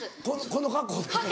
この格好で？